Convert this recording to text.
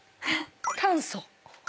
炭素。